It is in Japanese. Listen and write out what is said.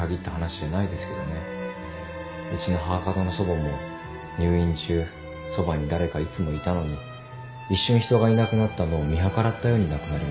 うちの母方の祖母も入院中そばに誰かいつもいたのに一瞬人がいなくなったのを見計らったように亡くなりました。